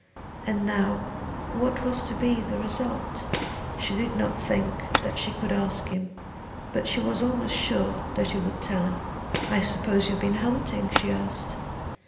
And now what was to be the result? She did not think that she could ask him; but she was almost sure that he would tell her. "I suppose you've been hunting?" she asked.